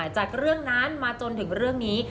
จากเรื่องนั้นมาจนถึงเรื่องนี้